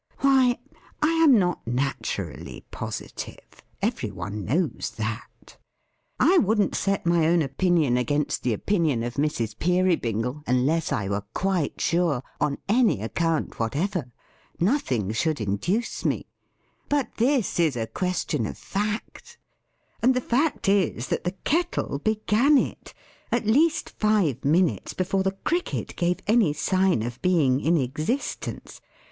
Why, I am not naturally positive. Every one knows that. I wouldn't set my own opinion against the opinion of Mrs. Peerybingle, unless I were quite sure, on any account whatever. Nothing should induce me. But this is a question of fact. And the fact is, that the Kettle began it, at least five minutes before the Cricket gave any sign of being in existence.